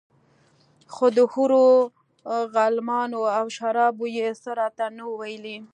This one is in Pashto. خو د حورو غلمانو او شرابو يې څه راته نه وو ويلي.